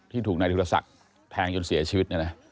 ที่ถูกนายธิรษักษ์แทงจนเสียชีวิต